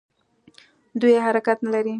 دوی حرکت نه لري.